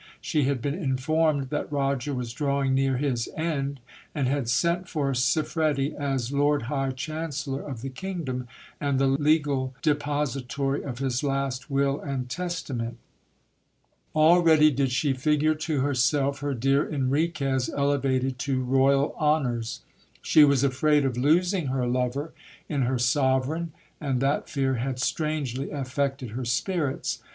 She had been informed that Roger was drawing near his end, and had sent for Siffredi as lord high chancellor of the kingdom, and the legal depository of his last will and testament. Already did she figure to herself her dear Enriquez elevated to royal honours. She was afraid of losing her lover in her sovereign, and that fear had strangely affected her spirits.